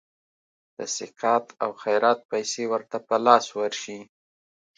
د سقاط او خیرات پیسي ورته په لاس ورشي.